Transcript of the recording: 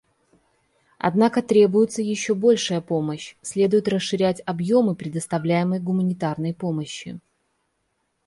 Однако требуется еще большая помощь; следует расширять объемы предоставляемой гуманитарной помощи.